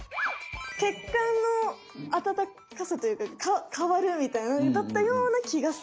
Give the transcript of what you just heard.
血管の温かさというか変わるみたいなだったようなきがする！